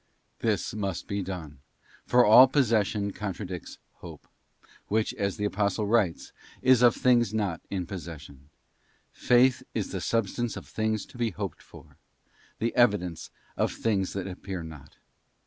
This must be done, for all possession contradicts Hope, which, as the Apostle writes, is of things not in possession : 'Faith is the substance of things to be hoped for, the evi dence of things that appear not.